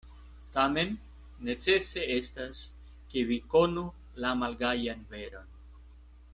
Tamen necese estas, ke vi konu la malgajan veron.